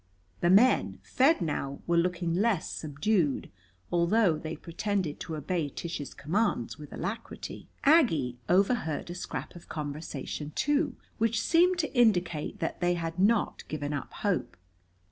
The men, fed now, were looking less subdued, although they pretended to obey Tish's commands with alacrity. Aggie overheard a scrap of conversation, too, which seemed to indicate that they had not given up hope.